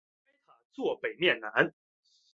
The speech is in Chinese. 该塔座北面南。